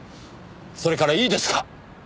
それからいいですか？